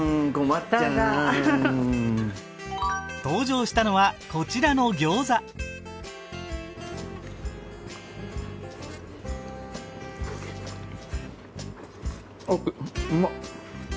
登場したのはこちらのギョーザ熱いうまっ。